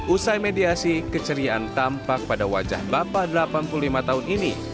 usai mediasi keceriaan tampak pada wajah bapak delapan puluh lima tahun ini